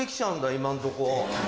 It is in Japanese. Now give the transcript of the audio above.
今んとこ。